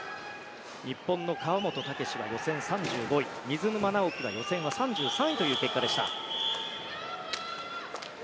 日本の川本武史は予選３５位水沼尚輝は予選は３３位という結果でした。